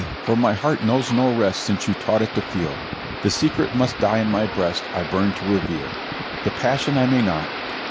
for my heart knows no rest Since you taught it to feel; The secret must die in my breast I burn to reveal; The passion I may not.